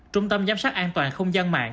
trung tâm giám sát an toàn không gian mạng